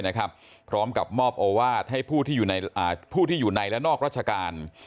พร้อมกับมอบโอวาสให้ผู้ที่อยู่ในและนอกราชการ